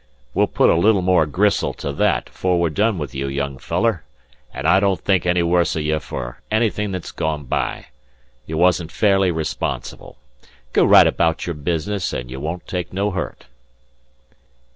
"We'll put a little more gristle to that 'fore we've done with you, young feller; an' I don't think any worse of ye fer anythin' the's gone by. You wasn't fairly responsible. Go right abaout your business an' you won't take no hurt."